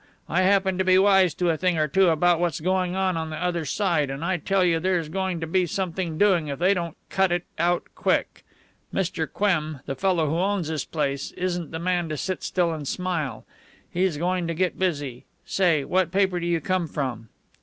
I happen to be wise to a thing or two about what's going on on the other side, and I tell you there's going to be something doing if they don't cut it out quick. Mr. Qem, the fellow who owns this place isn't the man to sit still and smile. He's going to get busy. Say, what paper do you come from?"